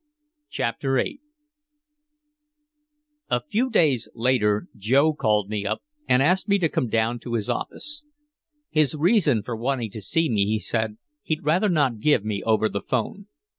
CHAPTER VIII A few days later Joe called me up and asked me to come down to his office. His reason for wanting to see me, he said, he'd rather not give me over the 'phone.